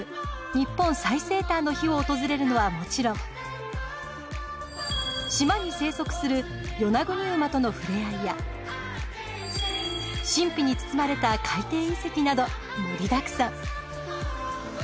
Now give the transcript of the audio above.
日本最西端之碑を訪れるのはもちろん島に生息するヨナグニウマとのふれあいや神秘に包まれた海底遺跡など盛りだくさん。